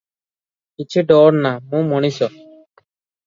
କିଛି ଡର ନାଁ- ମୁଁ ମଣିଷ ।